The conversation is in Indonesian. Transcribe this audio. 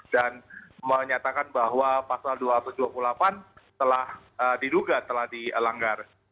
dan menyatakan bahwa pasal dua ribu dua puluh delapan telah diduga telah dielanggar